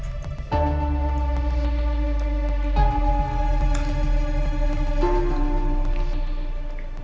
aku mau ke rumah